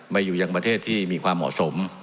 ไปอยู่ยังประเทศที่มีความเหมาะสม